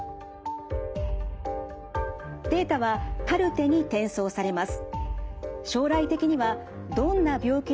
データはカルテに転送されます。